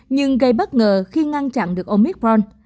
nhưng gây bất ngờ khi ngăn chặn được omicron